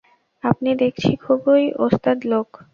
আপনি দেখছি খুবই ওস্তাদ লোক।